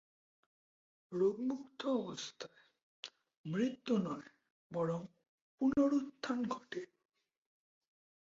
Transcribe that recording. রোগমুক্ত অবস্থায়, মৃত্যু নয় বরং পুনরুত্থান ঘটে।